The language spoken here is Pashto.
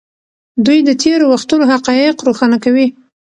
دوی د تېرو وختونو حقایق روښانه کوي.